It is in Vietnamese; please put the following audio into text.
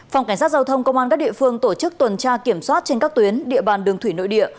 phòng cảnh sát giao thông công an các địa phương tổ chức tuần tra kiểm soát trên các tuyến địa bàn đường thủy nội địa